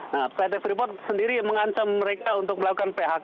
nah pt freeport sendiri mengancam mereka untuk melakukan phk